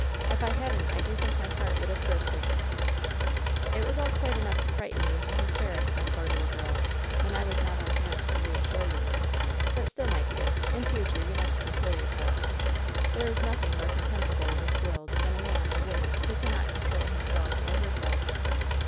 If I hadn't I do think my heart would have bursted !" "It was all quite enough to frighten you into hysterics, my poor little girl, when I was not on hand to reassure you. But still, my dear, in future you must control yourself. There is nothing more contemptible in this world than a man or woman who cannot control himself or herself."